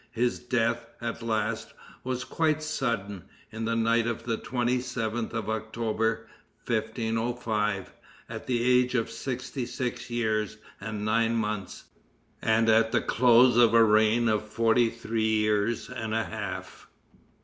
His death, at last, was quite sudden, in the night of the 27th of October, 1505, at the age of sixty six years and nine months, and at the close of a reign of forty three years and a half.